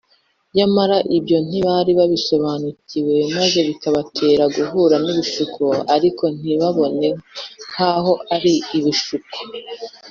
nyamara ibyo ntibari babisobanukiwe, maze bikabatera guhura n’ibishuko, ariko ntibabibone nk’aho ari ibishuko